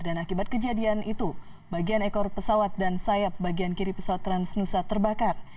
dan akibat kejadian itu bagian ekor pesawat dan sayap bagian kiri pesawat transnusa terbakar